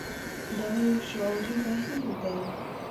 دا يو شعوري بهير دی.